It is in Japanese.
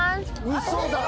ウソだ！